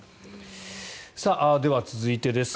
では、続いてです。